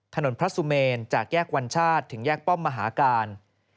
ถนนพระสุเมนจากแยกวัญชาติถึงแยกป้อมมหาการ